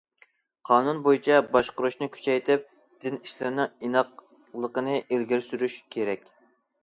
قانۇن بويىچە باشقۇرۇشنى كۈچەيتىپ، دىن ئىشلىرىنىڭ ئىناقلىقىنى ئىلگىرى سۈرۈش كېرەك.